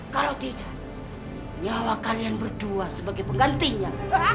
kalau tidak nyawa kalian berdua sebagai penggantinya